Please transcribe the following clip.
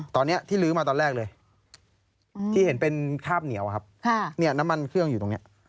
ตอนนี้ที่ลื้อมาตอนแรกเลยที่เห็นเป็นคราบเหนียวครับน้ำมันเครื่องอยู่ตรงนี้